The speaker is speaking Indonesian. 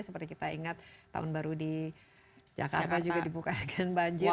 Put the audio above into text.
seperti kita ingat tahun baru di jakarta juga dibuka dengan banjir